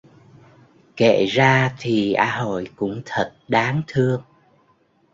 Kể ra thì A Hội cũng thật đáng thương